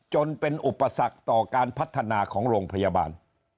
จนเป็นอุปสรรคต่อการพัฒนาของโรงพยาบาล